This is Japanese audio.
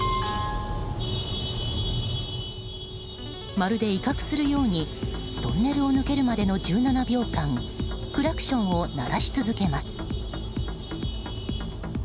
まるで威嚇するようにトンネルを抜けるまでの１７秒間クラクションを鳴らし続けます。